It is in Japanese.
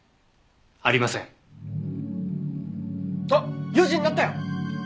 あっ４時になったよ！